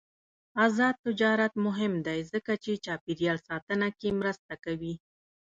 آزاد تجارت مهم دی ځکه چې چاپیریال ساتنه کې مرسته کوي.